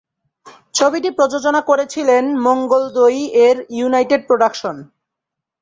ছবিটি প্রযোজনা করেছিলেন মঙ্গলদৈ-এর ইউনাইটেড প্রোডাকশন।